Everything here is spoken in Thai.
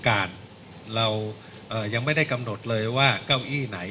เรายังไม่ได้กำหนดเลยว่าเก้าอี้ไหน